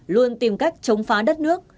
luôn tìm cách chống phá đất nước